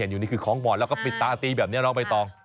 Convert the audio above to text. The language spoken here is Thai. อยู่นี่คือค้องมอนแล้วก็ปิดตาตีแบบนี้แล้วไปต่อ